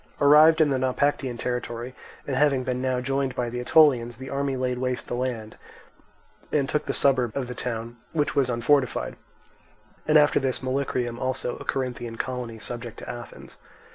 Arrived in the Naupactian territory, and having been now joined by the Aetolians, the army laid waste the land and took the suburb of the town, which was unfortified; and after this Molycrium also, a Corinthian colony subject to Athens.